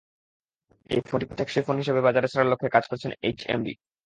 এই ফোনটিকে টেকসই ফোন হিসেবে বাজারে ছাড়ার লক্ষ্যে কাজ করছে এইচএমডি।